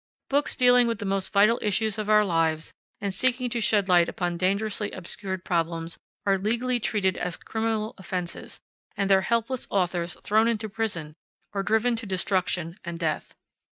Books dealing with the most vital issues of our lives, and seeking to shed light upon dangerously obscured problems, are legally treated as criminal offenses, and their helpless authors thrown into prison or driven to destruction and death.